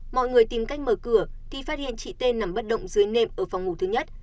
mọi người tìm cách mở cửa thì phát hiện chị tên nằm bất động dưới nệm ở phòng ngủ thứ nhất